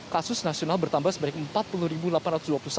kasus nasional bertambah sebanyak empat puluh delapan ratus dua puluh satu kasus